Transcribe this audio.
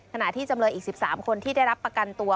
ที่จำเลยอีก๑๓คนที่ได้รับประกันตัว